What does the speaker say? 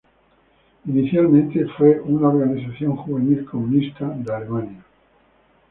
Inicialmente fue una organización juvenil comunista de Alemania.